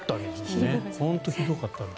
本当にひどかった。